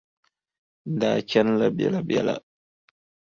N daa chanila biɛlabiɛla.